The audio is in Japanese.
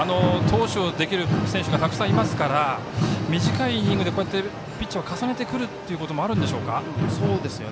投手をできる選手がたくさんいますから短いイニングでピッチャーを重ねてくるってこともあるんでしょうか？